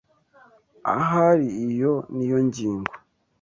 Ahari iyo niyo ngingo.